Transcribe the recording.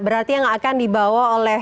berarti yang akan dibawa oleh